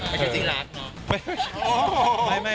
ไม่ดูสุดประกอบดี